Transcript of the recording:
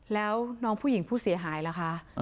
แล้วน้องผู้หญิงผู้เสียหายล่ะคะ